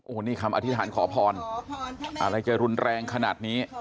โอ้โหนี่คำอธิษฐานขอพรอะไรจะรุนแรงขนาดนี้